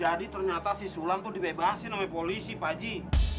jadi ternyata si sulam tuh dibebasin sama polisi pak ji